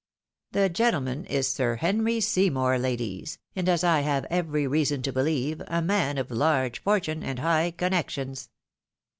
The gentleman is Sir Henry Seymour, ladies, and, as I have every reason to believe, a man of large fortune and high connections."